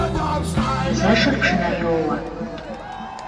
Езэшыр пшынэ йоуэ.